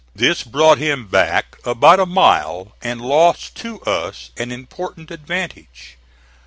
This brought him back about a mile, and lost to us an important advantage.